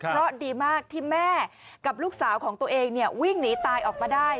เพราะดีมากที่แม่กับลูกสาวของตัวเองวิ่งหนีตายออกมาได้